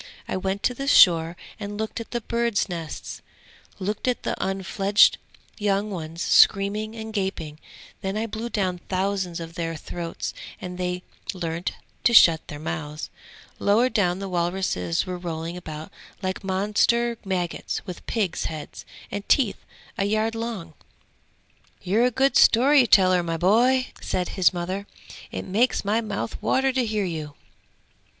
I went to the shore and looked at the birds' nests, looked at the unfledged young ones screaming and gaping; then I blew down thousands of their throats and they learnt to shut their mouths. Lower down the walruses were rolling about like monster maggots with pigs' heads and teeth a yard long!' 'You're a good story teller, my boy!' said his mother. 'It makes my mouth water to hear you!'